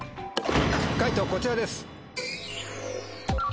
解答こちらです。